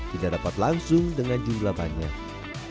tidak dapat langsung dengan jumlah tepung yang terpisah